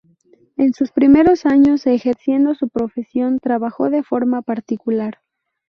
En sus primeros años ejerciendo su profesión trabajó de forma particular.